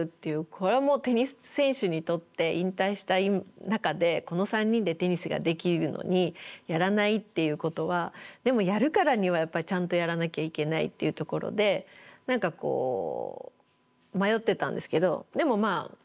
これはもうテニス選手にとって引退した中でこの３人でテニスができるのにやらないっていうことはでもやるからにはやっぱりちゃんとやらなきゃいけないっていうところで何かこう迷ってたんですけどでもまあ